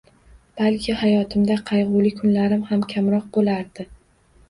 Balki hayotimda qayg‘uli kunlarim ham kamroq bo‘lardi.